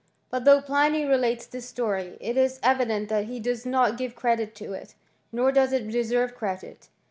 But though Pliny relates this story, it is evident that he does not give credit to it ; nor does it tleserve credit.